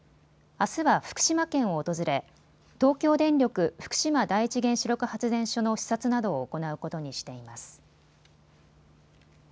あすは福島県を訪れ、東京電力福島第一原子力発電所の視察などを行うことにしています。